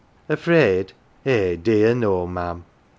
Afraid ? Eh, dear no, ma'am.